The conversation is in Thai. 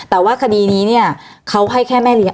แต่ว่าคดีนี้เนี่ยเขาให้แค่แม่เลี้ย